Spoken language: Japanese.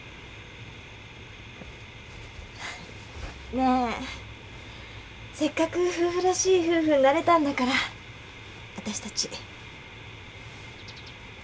ねぇせっかく夫婦らしい夫婦になれたんだからあたしたち。